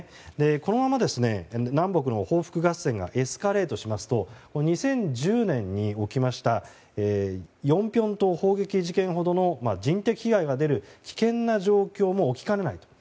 このまま、南北の報復合戦がエスカレートしますと２０１０年に起きましたヨンピョン島砲撃事件ほどの人的被害が出る危険な状況も起きかねないと。